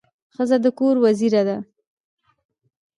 ښځه د کور وزیره ده.